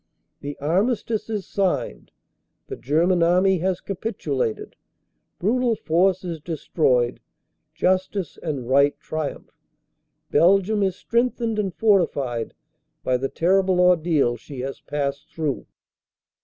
"The Armistice is signed. The German Army has capitu lated; brutal force is destroyed; justice and right triumph; 388 CANADA S HUNDRED DAYS Belgium is strengthened and fortified by the terrible ordeal she has passed through.